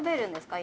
今。